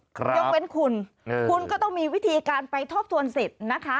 ยกเว้นคุณคุณก็ต้องมีวิธีการไปทบทวนสิทธิ์นะคะ